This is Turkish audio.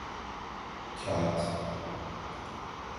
Kağıt…